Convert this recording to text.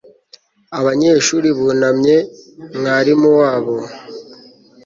abanyeshuri bunamye mwarimu wabo